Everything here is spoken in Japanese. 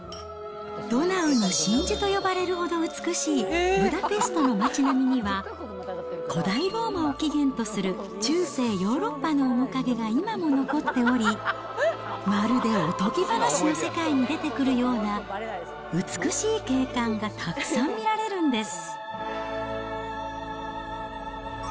ドナウの真珠と呼ばれるほど美しいブダペストの街並みには、古代ローマを起源とする中世ヨーロッパの面影が今も残っており、まるでおとぎ話の世界に出てくるような美しい景観がたくさん見られるんです。